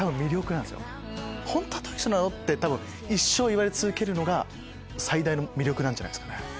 本当はどういう人なの？って一生言われ続けるのが最大の魅力なんじゃないですかね。